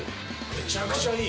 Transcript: めちゃくちゃいい。